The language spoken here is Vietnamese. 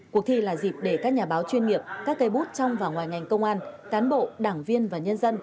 cuộc thi là dịp để các nhà báo chuyên nghiệp các cây bút trong và ngoài ngành công an cán bộ đảng viên và nhân dân